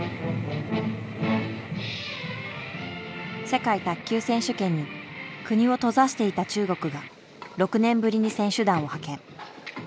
世界卓球選手権に国を閉ざしていた中国が６年ぶりに選手団を派遣。